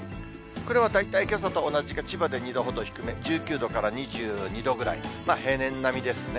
これは大体、けさと同じか、千葉で２度ほど低め、１９度から２２度ぐらい、平年並みですね。